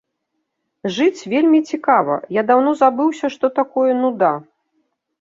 Жыць вельмі цікава, я даўно забыўся, што такое нуда.